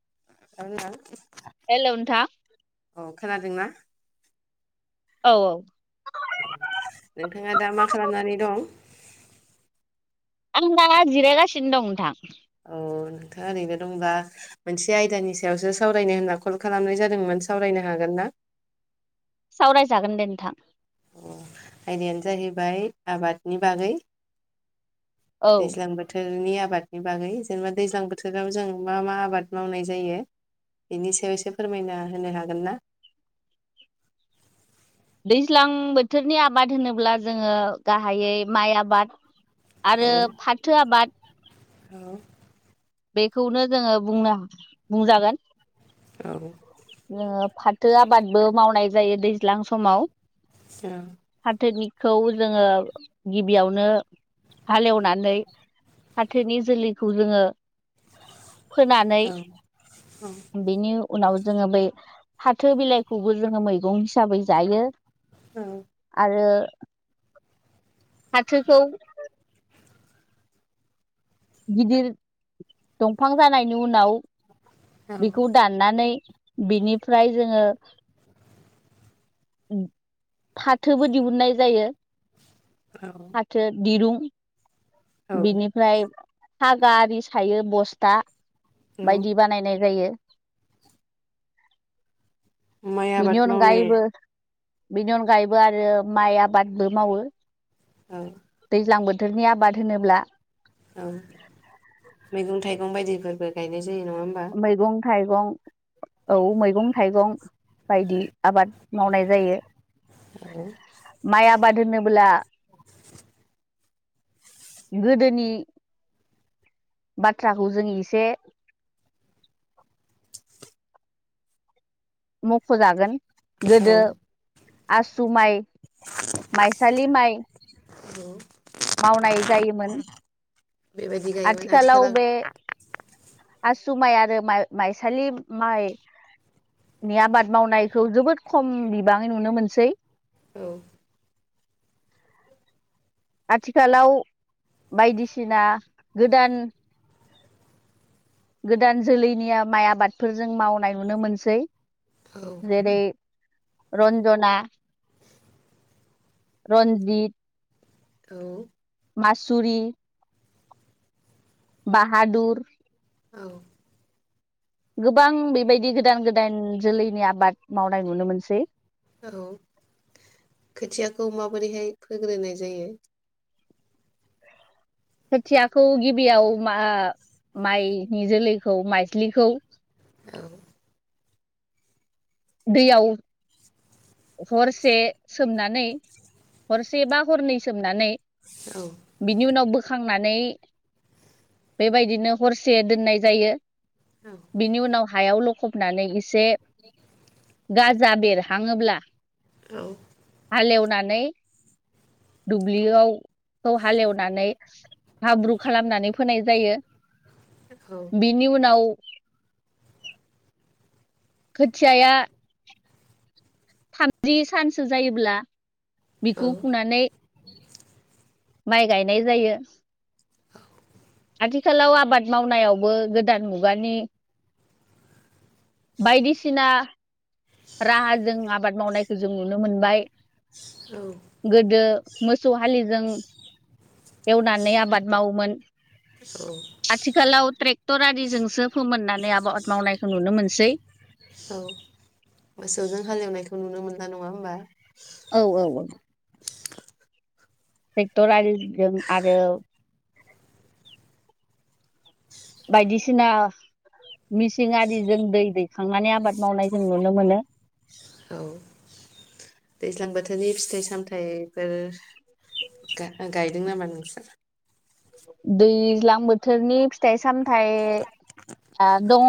[unintelligible] [inaudible] हेल नोंथां औ खोनादोंना औ औ औ नोंथाङा दा मा खालामनानै दं आं दा जिरायगासिनो दं नोंथां औ नोंथाङा ओरैनो दंब्ला मोनसे आयदानि सायावसो सावरायनो होनना कल खालामनाय जादोंमोन सावरायनो हागोन ना? [inaudible] [unintelligible] सावरायजागोन दे नोंथां आयदायानो जाहैबाय आबादनि बागै औ दैज्लां बोथोरनि आ आबादनि बागै जेनेबा दैज्लां बोथोराव जों मा मा आबाद मावनाय जायो बेनि सायाव इसे फोरमायना होनो हागोन ना? दैज्लां बोथोरनि आबाद होनोब्ला जोङो गाहायै माइ आबाद औ आरो फाथो आबाद औ बेखौनो जोङो बुंनो बुंजागोन औ जोङो फाथो आबादबो मावनाय जायो दैज्लां समाव फाथोनि खौ जोङो गिबियावनो हालेवनानै फाथोनि जोलैखौ जोङो फोनानै औ बेनि उनाव जोङो बै फाथो बिलाइखौबो जोङो मैगं हिसाबै जायो [inaudible] आरो फाथोखौ गिदिर दंफां जानायनि उनाव औ बेखौ दाननानै बिनिफ्राय जोंङो फाथोबो दिहुननाय जायो फाथो दिरुं औ बिनिफ्राय फागा आरि सायो बस्था औ बायदि बानायनाय जायो माइ आबाद बिनि मावनाय अनगायैबो बेनि अनगायैबो आरो माइ आबादबो मावो औ दैज्लां बो थोरनि आबाद होनोब्ला औ मैगं थाइगं बायदिफोरबो गायनाय जायो नङा होमबा मैगं थाइगं औ मैगं थाइगं बायदि आबाद मावनाय जायो औ माइ आबाद होनोबोला [unintelligible] [inaudible] गोदोनि बाथ्राखौ जों एसे मख जागोन औ गोदो आसु माइ मायसालि माइ औ मावनाय जायोमोन बेबायदि गायोमोन आथिखालाव जुमाय आरो माइ माइसालि माइ। नि आबाद मावनायखौ जोबोद खम बिबाङै नुनो मोनसै। औ। आथिखालाव बायदिसिना गोदान। गोदान जोलैनिया माइ आबादफोरजों मावनाय नुनो मोनसै। औ जेरै। रन्जना रन्जित। औ। मासुरि। बाहादुर। औ। गोबां बेबायदि गोदान गोदान जोलैनि आबाद मावनाय नुनो मोनसै। औ खोथियाखौ माबोरैहाय फोग्रोनाय जायो। खोथियाखौ गिबियाव मा माइनि जोलैखौ माइस्लिखौ। औ। दैयाव। हरसे सोमनानै हरसे बा हरनै सोमनानै। औ बिनि उनावबो। बोखांनानै बेबायदिनो हरसे दोननाय जायो। औ बिनि उनाव हायाव लखबनानै एसे गाजा बेर। थांङोब्ला। औ [inaudible] हालेवनानै दुब्लियाव। खौ हालेवनानै हाब्रु खालामनानै फोनाय जायो। औ बिनि उनाव। खोथियाया। थामजि सानसो जायोब्ला बिखौ फुनानै माइ गायनाय जायो। आथिखालाव आबाद मावनायावबो गोदान मुगानि बायदिसिना राहाजों आबाद मावनायखौ जों नुनो मोनबाय। औ औ गोदो मोसौ हालिजों एवनानै आबाद मावोमोन। औ। आथिखालाव ट्रेक्टर आरिजोंसो फोमोननानै आबाद मावनायखौ नुनो मोनसै। औ मोसौजों हालेवनायखौ नुनो मोनला नङा होमबा। औ औ औ। ट्रेक्टरारिजों आरो बायदिसिना मिसिं आरिजों दै दैखांनानै आबाद मावनाय जों नुनो मोनो। औ। दैज्लां बोथोरनि फिथाइ सामथायफोर गाय गाय नो नामा नोंसोरो? दैज्लां बोथोरनि फिथाइ सामथाय आ दङ।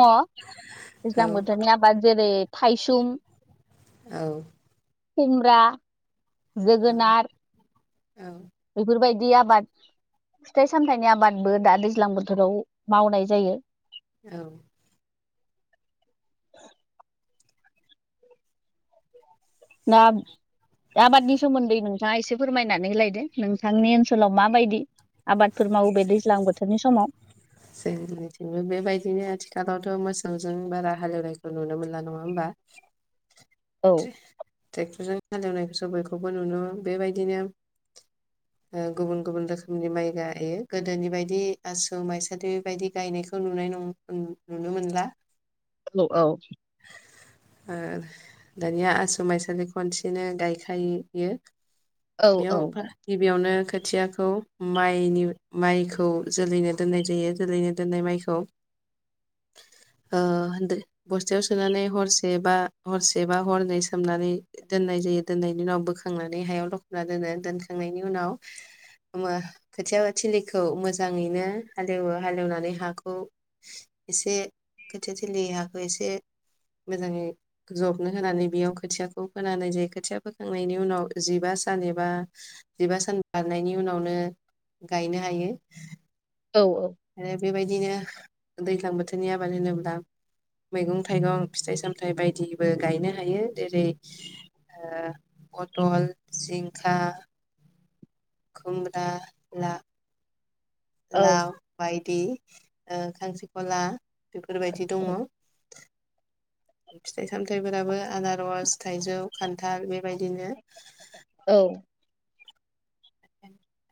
औ दैज्लां बोथोरनि आबाद जेरै थाइसुम। औ। खुमब्रा औ जोगोनार औ बेफोरबायदि आबाद। फिथाइ सामथाइनि आबादबो दा दैज्लां बोथोराव मावनाय जायो। औ। ना। आबादनि सोमोन्दै नोंथाङा एसे फोरमायनानै होलायदो नोंथांनि ओनसोलाव माबायदि आबादफोर मावो बे दैज्लां बोथोरनि समाव। जोंथिंबो बेबायदिनो आथिखालावथ' मोसौजों बारा हालेवनायखौ नुनो मोनला नङा होमबा। औ [unintelligible] हालेवनायखौसो बयखौबो नुनो बेबायदिनो ओ गुबुन गुबुन रोखोमनि माइ गायो। गोदोनि बायदि आसु माइसा जाथे बेबायदि गायनायखौ नुनाय नं नुनो मोनला। औ औ ओ दानिया आसु माइसालि खनसेनो गायखायो। औ औ बेयावबा गिबियावनो खोथियाखौ मायनि मायखौ जोलैनो दोननाय जायो। जोलैनो दोननाय माइखौ ओ बस थायाव सोनानै हरसे बा हरसे बा हरनै सोमनानै दोननाय जायो दोननायनि उनाव बोखांना नानै हायाव लख'ना दोनो। दोनखांनायनि उनाव खोथिया थिलिखौ मोजाङैनो हालेवो हालेवनानै हाखौ एसे खोथिया थिलि हाखौ एसे मोजाङै जबनो होनानै बेयाव खोथियाखौ फोनाय जायो खोथिया फोखांनायनि उनाव जिबा सान जेनेबा जिबा सान बारनायनि उनावनो गायनो हायो। औ औ। आरो बेबायदिनो दैज्लां बोथोरनि आबाद होनोब्ला मैगं-थाइगं फिथाइ-सामथायाइ बायदिबो गायनो हायो जेरै ओ पटल, जिंखा खुमब्रा, ला औ लाव बायदि ओ खांख्रिखला बेफोरबायदि दङ। फिथाइ-सामथाइफोराबो आनारस, थाइजौ, खान्थाल बेबायदिनो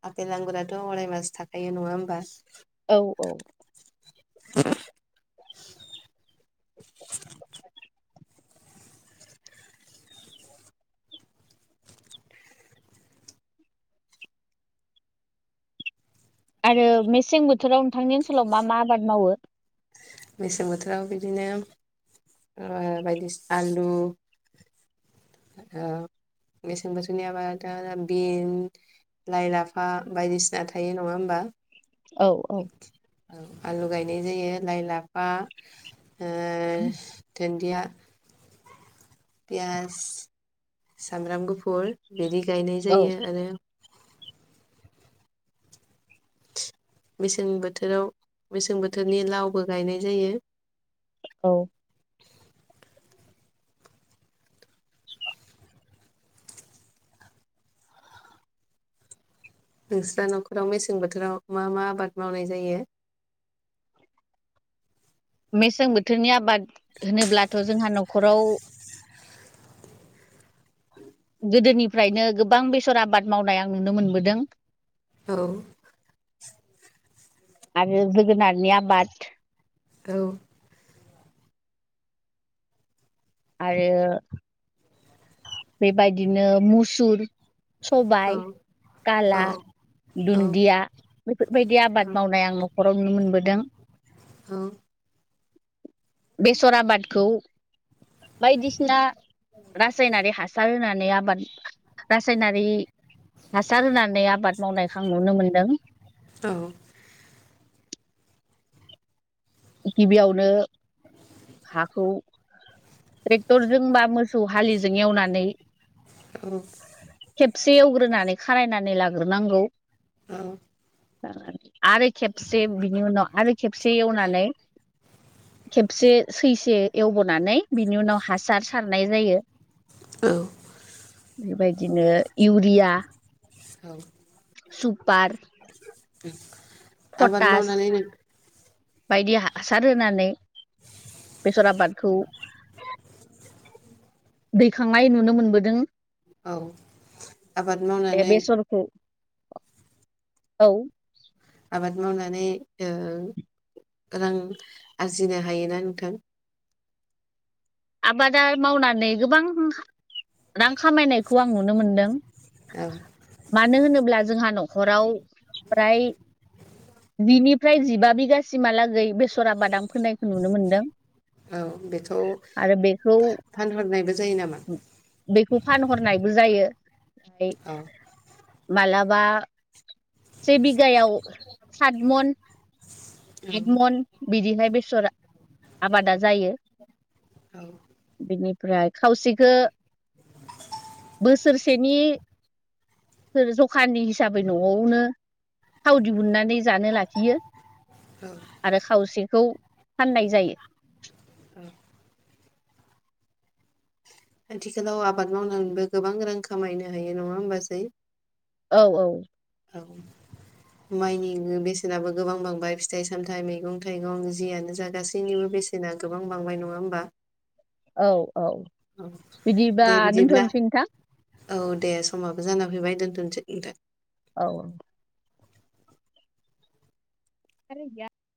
आफेल आंगुराथ' अराय मास थाखायो नङा होमबा औ औ [inaudible] आरो मेसें बोथोराव नोंथांनि ओनसोलाव मा मा आबाद मावो? मेसें बोथोराव बिदिनो ओ बायदिसिना आलु ओ मेसें बोथोरनियाबा दा बिन, लाइ, लाफा बायदिसिना थायो नङा होमबा औ औ आलु गायनाय जायो लाइ, लाफा ओ दुन्दिया पियास, सामब्राम गुफुर बिदि गायनाय औ जायो आरो मेसें बोथोराव मेसें बोथोरनि लावबो गायनाय जायो औ नोंस्रा न'खराव मेसें बोथोराव मा मा आबाद मावनाय जायो? मेसें बोथोरनि आबाद होनोब्लाथ' जोंहा न'खराव गोदोनिफ्रायनो गोबां बेसर आबाद मावनाय आं नुनो मोनबोदों। औ आरो जोगोनारनि आबाद औ आरो बेबायदिनो मुसुर औ सबाय औ काला, औ औ दुन्दिया बेफोरबायदि आबाद मावनाय आं न'खराव नुनो मोनबो दों ओं बेसर आबादखौ बायदिसिना रासायनारि हासार होनानै आबाद रासायनारि हासार होनानै आबाद मावनायखौ आं नुनो मोनदों। गिबियावनो हाखौ ट्रेक्टरजों बा मोसौ हलिजों एवनानै औ। खबसे एवग्रोनानै खारायनानै लाग्रोनांगौ औ। आरो खेबसे बिनि उनाव आरो खेबसे एवनानै [inaudible] खेबसे सैसे एवबोनानै बिनि उनाव हासार सारनाय जायो। औ। बेबायदिनो इउरिया औ। सुपार। आबाद पटास मावनानैलायनो बायदि हासार होनानै बेसर आबादखौ दैखांनाय नुनो मोनबोदों। औ। बे बेसरखौ औ। आबाद मावनानै रां आरजिनो हायोना नोंथां? आबादा मावनानै गोबां रां खामायनायखौ आं नुनो मोनदों औ मानो होनोब्ला जोंहा न'खराव फ्राय जिनिफ्राय जिबा बिगासिमहालागै बेसरा बादाम फोनायखौ नुनो मोनदों। औ बेथ' आरो बेखौ नामा बेखौ फानहरनायबो जायो फ्राय औ मालाबा बा से बिघायाव सत मन आदा मन बिदिहाय बेसर आबादा जायो औ बिनिफ्राय खावसेखौ बोसोरसेनि जखानि हिसाबै न'आवनो थाव दिहुननानै जानो लाखियो औ आरो खावसेखौ फाननाय जायो। औ। आथिखालाव आबाद मावनानैबो गोबां रां खामायनो हायो नङा होमबासै? औ औ। औ। माइनि बेसेनाबो गोबां बांबाय फिथाइ सामथाइ मैगं थाइगं जियानो जा गासैनिबो बेसेना गोबां बांबाय नङा होमबा? औ औ औ बिदिबा दे बिदिब्ला दोनथ'नोसै नोंथां। औ दे समाबो जाना फैबाय दोनथ'सै नोंथ। औ। आरो